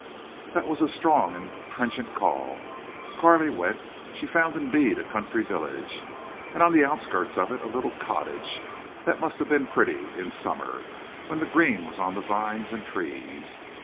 That was a strong and trenchant call. Carley went. She found indeed a country village, and on the outskirts of it a little cottage that must have been pretty in summer, when the green was on vines and trees.